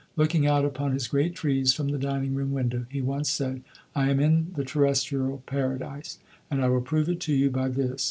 Looking out upon his great trees from the dining room window, he once said: "I am in the terrestrial paradise, and I will prove it to you by this.